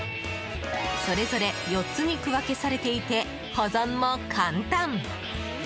それぞれ４つに区分けされていて保存も簡単。